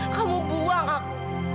kamu buang aku